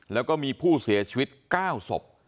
แล้วก็มีผู้เสียชีวิต๙ศพ